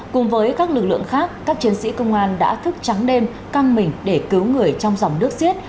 cùng với các lực lượng khác các chiến sĩ công an đã thức trắng đêm căng mình để cứu người trong dòng nước xiết